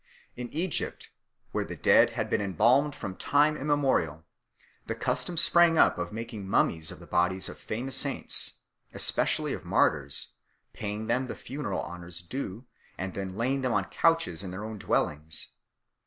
In Egypt, where the dead had been embalmed from time immemorial, the custom sprang up of making mummies of the bodies of famous saints, especially of martyrs, paying them the funeral honours due, and then laying them on couches in their own dwellings.